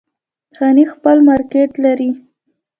غني خیل مارکیټ لري؟